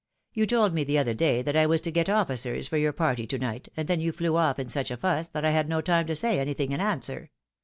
You told me the other day that I was to get officers for your party to night, and then you flew off in such a fuss, that I had no time to say anything in answer.